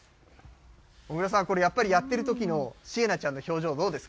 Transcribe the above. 小倉さん、これやってるときのしえなちゃんの表情、どうですか。